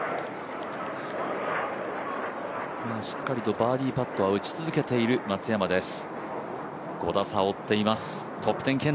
しっかりとバーディーパットは打ち続けている松山です。